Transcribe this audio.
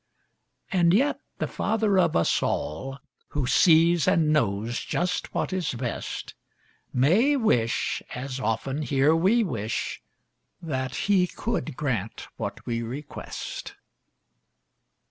And yet the Father of us all, Who sees and knows just what is best, May wish, as often here we wish, that He could grant what we request.